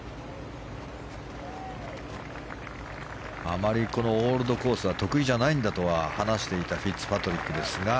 あまり、このオールドコースは得意じゃないんだとは話していたフィッツパトリックですが。